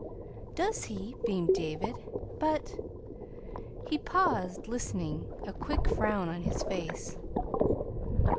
"Does he?" beamed David. "But " He paused, listening, a quick frown on his face.